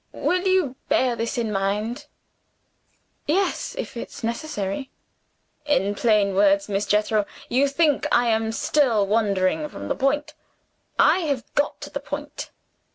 Will you bear this in mind?" "Yes if it's necessary." "In plain words, Miss Jethro, you think I am still wandering from the point. I have got to the point.